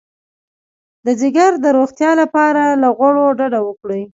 د ځیګر د روغتیا لپاره له غوړو ډډه وکړئ